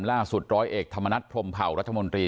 ล่าสุดร้อยเอกธรรมนัฐพรมเผารัฐมนตรี